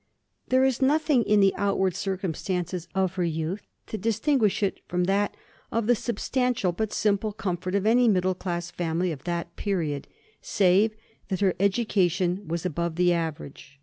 There is nothing in the outward circumstances of her youth to distinguish it from that of the substantial but simple comfort of any middle class family of that period, save that her education was above the average.